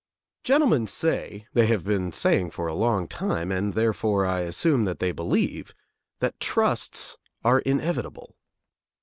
Gentlemen say, they have been saying for a long time, and, therefore, I assume that they believe, that trusts are inevitable.